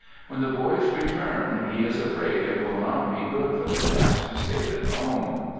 When the boys return, he is afraid " it will not be good for the chaps who stayed at home."